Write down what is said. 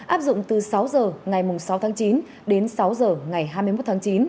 áp dụng từ sáu giờ ngày sáu tháng chín đến sáu giờ ngày hai mươi một tháng chín